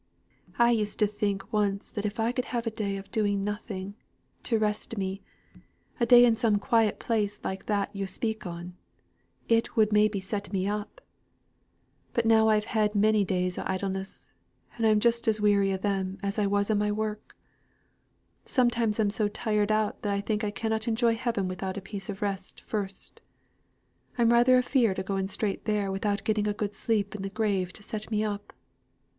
"I used to think once that if I could have a day of doing nothing, to rest me a day in some quiet place like that yo' speak on it would maybe set me up. But now I've had many days o' idleness, and I'm just as weary 'o them as I was o' my work. Sometimes I'm so tired out I think I cannot enjoy heaven without a piece of rest first. I'm rather afeard o' going straight there without getting a good sleep in the grave to set me up."